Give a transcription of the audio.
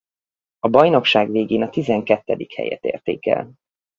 A bajnokság végén a tizenkettedik helyet érték el.